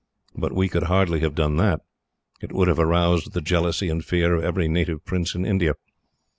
But we could hardly have done that. It would have aroused the jealousy and fear of every native prince in India.